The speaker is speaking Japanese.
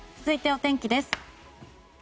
続いてお天気です。